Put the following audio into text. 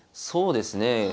そうですね。